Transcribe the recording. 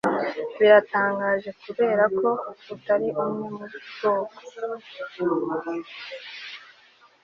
biratangaje 'kuberako utari umwe mubwoko